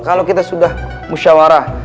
kalau kita sudah musyawarah